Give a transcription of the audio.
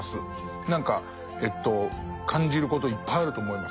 何か感じることいっぱいあると思いますまだまだ。